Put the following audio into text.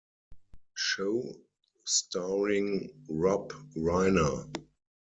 Show, starring Rob Reiner.